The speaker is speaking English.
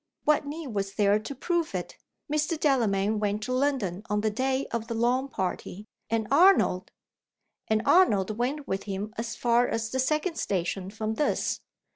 "What need was there to prove it? Mr. Delamayn went to London on the day of the lawn party. And Arnold " "And Arnold went with him as far as the second station from this.